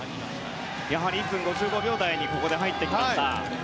やはり１分５５秒台にここで入ってきました。